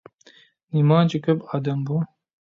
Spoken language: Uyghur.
نېمانچە كۆپ ئادەم بۇ.